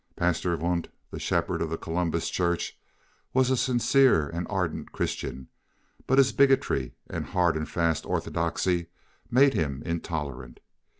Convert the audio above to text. Pastor Wundt, the shepherd of the Columbus church, was a sincere and ardent Christian, but his bigotry and hard and fast orthodoxy made him intolerant.